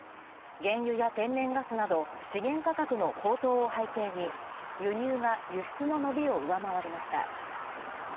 原油や天然ガスなど資源価格の高騰を背景に、輸入が輸出の伸びを上回りました。